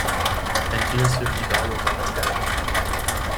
And here's fifty dollars on account.